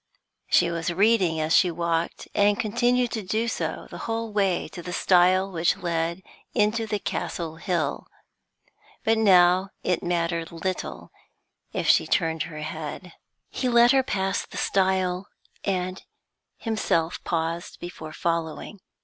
She was reading as she walked, and continued to do so the whole way to the stile which led into the Castle Hill. But now it mattered little if she turned her head. He let her pass the stile, and himself paused before following.